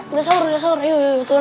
udah sahur ismail udah sahur